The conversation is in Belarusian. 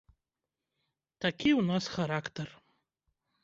Такі ў нас характар.